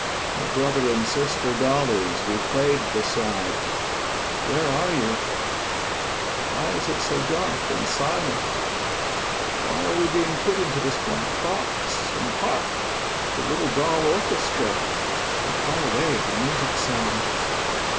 Oh, brother and sister dollies we played beside, where are you? Why is it so dark and silent? Why are we being put into this black box? And hark! the little doll orchestra—how far away the music sounds!